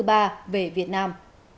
thứ ba về việt nam